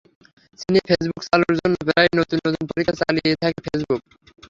চীনে ফেসবুক চালুর জন্য প্রায়ই নতুন নতুন পরীক্ষা চালিয়ে থাকে ফেসবুক।